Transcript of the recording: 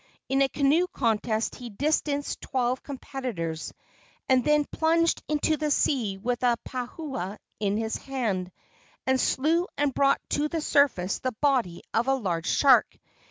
In a canoe contest he distanced twelve competitors, and then plunged into the sea with a pahoa in his hand, and slew and brought to the surface the body of a large shark.